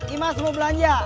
ima mau belanja